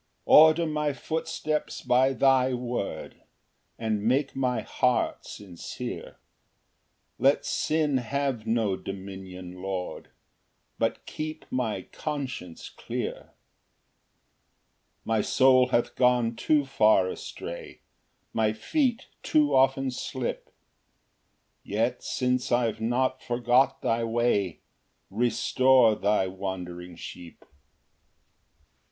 133. 4 Order my footsteps by thy word, And make my heart sincere, Let sin have no dominion, Lord, But keep my conscience clear. Ver. 176. 5 My soul hath gone too far astray, My feet too often slip; Yet since I've not forgot thy way, Restore thy wandering sheep.